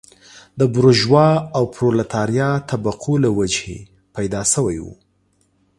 د بورژوا او پرولتاریا طبقو له وجهې پیدا شوی و.